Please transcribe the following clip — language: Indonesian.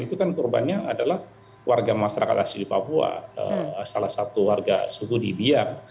itu kan korbannya adalah warga masyarakat asli papua salah satu warga suku di biak